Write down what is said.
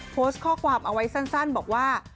โพสต์ข้อความเอาไว้สั้นบอกว่า